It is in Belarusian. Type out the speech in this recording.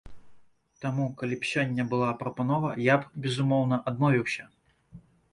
Таму калі б сёння была прапанова, я б, безумоўна, адмовіўся.